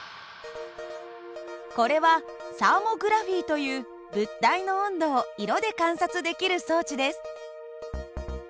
これはサーモグラフィーという物体の温度を色で観察できる装置です。